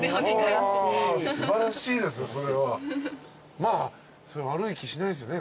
まあ悪い気しないですよね？